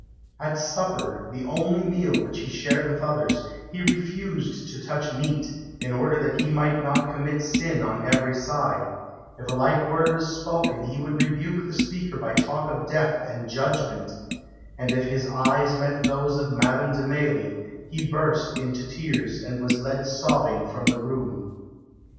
At supper the only meal which he shared with others, he refused to touch meat, "in order that he might not commit sin on every side"; if a light word was spoken he would rebuke the speaker by talk of death and judgment; and if his eyes met those of Madame de Mailly, he burst into tears and was led sobbing from the room.